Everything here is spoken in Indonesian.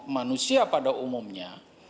manusia pada umumnya